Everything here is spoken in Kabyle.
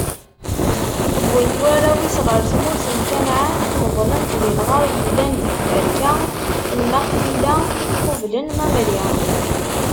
Wwin-t warraw-is ɣer tmurt n Kanɛan, meḍlen-t di lɣar yellan di tferka n Maxfila, i yequblen Mamri.